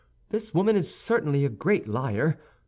This woman is certainly a great liar.